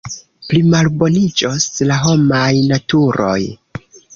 Plimalboniĝos la homaj naturoj.